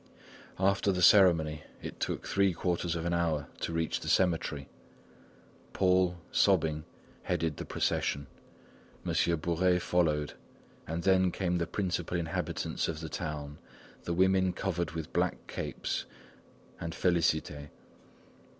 After the ceremony it took three quarters of an hour to reach the cemetery. Paul, sobbing, headed the procession; Monsieur Bourais followed, and then came the principal inhabitants of the town, the women covered with black capes, and Félicité.